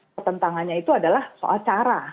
pertentangannya itu adalah soal cara